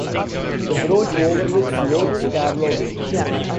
The broch overlooks Loch Carloway.